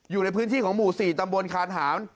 อยู่ในพื้นที่ของหมู่๔ตำบลคานหาน